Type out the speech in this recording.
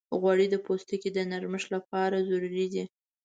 غوړې د پوستکي د نرمښت لپاره ضروري دي.